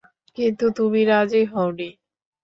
কিন্তু তুমি রাজি হওনি।